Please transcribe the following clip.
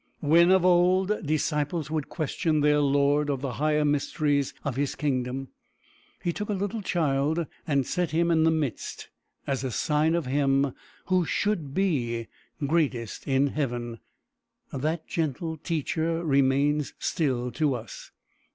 When, of old, disciples would question their Lord of the higher mysteries of his kingdom, he took a little child and set him in the midst, as a sign of him who should be greatest in heaven. That gentle teacher remains still to us.